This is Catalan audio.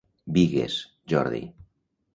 Bigues, Jordi.